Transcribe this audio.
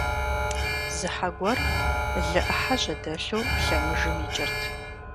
Зы хьэ гуэр лы Ӏыхьэ жьэдэлъу лъэмыжым икӀырт.